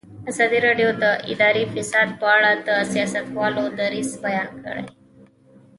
ازادي راډیو د اداري فساد په اړه د سیاستوالو دریځ بیان کړی.